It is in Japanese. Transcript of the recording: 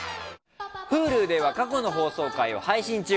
Ｈｕｌｕでは過去の放送回を配信中。